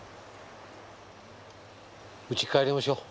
家へ帰りましょう。